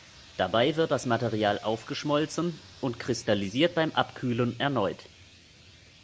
Dabei wird das Material aufgeschmolzen und kristallisiert beim Abkühlen erneut.